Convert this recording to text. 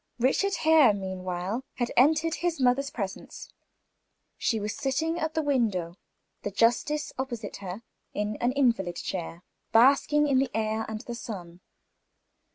Richard Hare, meanwhile, had entered his mother's presence. She was sitting at the open window, the justice opposite to her, in an invalid chair, basking in the air and the sun.